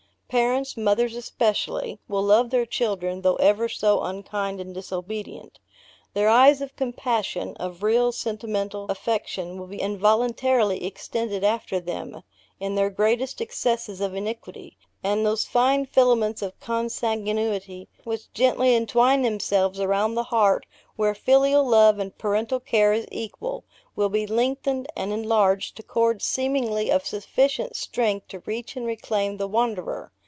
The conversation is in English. Parents, mothers especially, will love their children, though ever so unkind and disobedient. Their eyes of compassion, of real sentimental affection, will be involuntarily extended after them, in their greatest excesses of iniquity; and those fine filaments of consanguinity, which gently entwine themselves around the heart where filial love and parental care is equal, will be lengthened, and enlarged to cords seemingly of sufficient strength to reach and reclaim the wanderer.